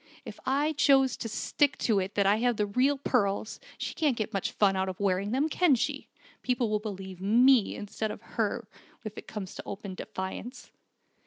If I choose to stick to it that I have the real pearls, she can't get much fun out of wearing them, can she? People will believe me, instead of her, if it comes to open defiance."